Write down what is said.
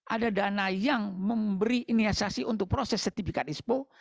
ada dana yang memberi inisiasi untuk proses sertifikat ispo